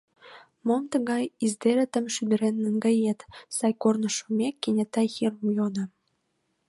— Мом тый издеретым шӱдырен наҥгает? — сай корныш шумек, кенета Хирм йодо.